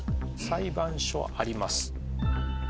裁判所はあります。